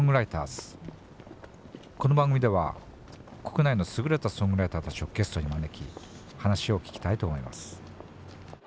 この番組では国内の優れたソングライターたちをゲストに招き話を聞きたいと思います。